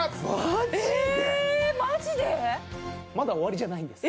まだ終わりじゃないんです。